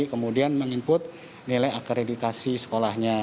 kemudian meng input nilai akreditasi sekolahnya